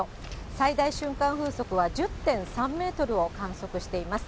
最大瞬間風速は１０．３メートルを観測しています。